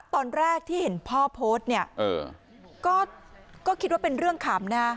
ตอนแรกที่เห็นพ่อโพสต์เนี่ยก็คิดว่าเป็นเรื่องขำนะ